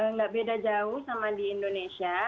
nggak beda jauh sama di indonesia